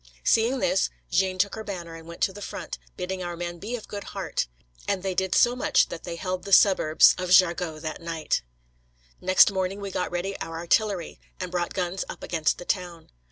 Seeing this, Jeanne took her banner and went to the front, bidding our men be of good heart. And they did so much that they held the suburbs of Jargeau that night. Next morning we got ready our artillery, and brought guns up against the town.